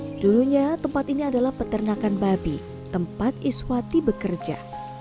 dulunya tempat ini adalah peternakan babi tempat iswati bekerja